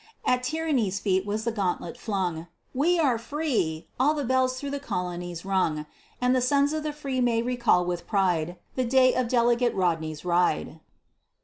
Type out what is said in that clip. At Tyranny's feet was the gauntlet flung; "We are free!" all the bells through the colonies rung, And the sons of the free may recall with pride The day of Delegate Rodney's ride.